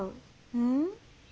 うん？